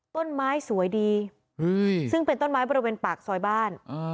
ต้นไม้สวยดีซึ่งเป็นต้นไม้บริเวณปากซอยบ้าน